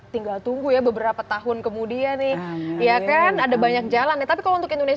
tinggal tunggu ya beberapa tahun kemudian nih ya kan ada banyak jalan ya tapi kalau untuk indonesia